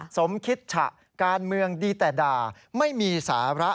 สมคิดฉะการเมืองดีแต่ด่าไม่มีสาระ